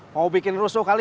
mau bikin rusuh kali